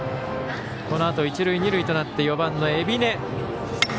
このあと一塁二塁となって４番の海老根。